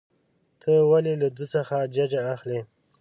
ته ولې له ده څخه ججه اخلې.